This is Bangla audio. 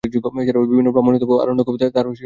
বিভিন্ন ব্রাহ্মণ ও আরণ্যক -এও তাঁর উল্লেখ আছে।